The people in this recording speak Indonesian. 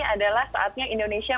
adalah saatnya indonesia